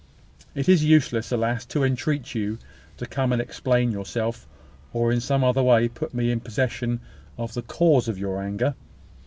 "It is useless, alas! to entreat of you to come and explain yourself, or in some other way to put me in possession of the cause of your anger.